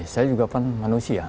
saya juga manusia